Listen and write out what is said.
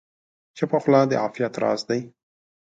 چپه خوله، د عافیت راز دی.